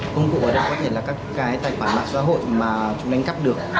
công cụ ở đó có thể là các cái tài khoản mạng xã hội mà chúng đánh cắp được